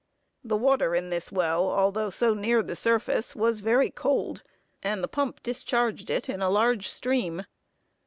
The water in this well, although so near the surface, was very cold; and the pump discharged it in a large stream.